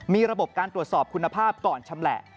มีระบบการตรวจสอบคุณภาพก่อนชำแหละ